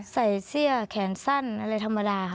ใส่เสื้อแขนสั้นอะไรธรรมดาค่ะ